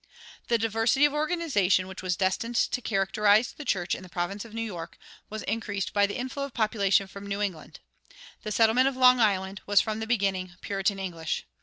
[80:2] The diversity of organization which was destined to characterize the church in the province of New York was increased by the inflow of population from New England. The settlement of Long Island was from the beginning Puritan English.